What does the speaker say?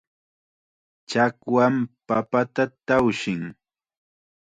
Chakwam papata tawshin.